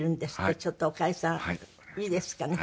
ちょっと岡江さんいいですかね。